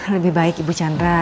lebih baik ibu chandra